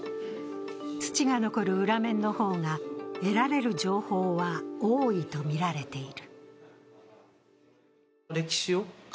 土が残る裏面の方が得られる情報は多いとみられている。